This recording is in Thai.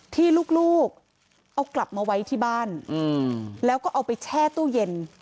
ที่ลูกเอากลับมาไว้ที่บ้านแล้วก็เอาไปแช่ตู้เย็น